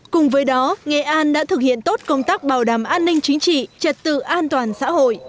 cùng với đó nghệ an đã thực hiện tốt công tác bảo đảm an ninh chính trị trật tự an toàn xã hội